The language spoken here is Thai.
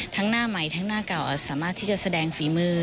หน้าใหม่ทั้งหน้าเก่าอาจสามารถที่จะแสดงฝีมือ